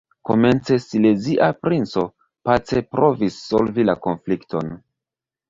Komence silezia princo pace provis solvi la konflikton.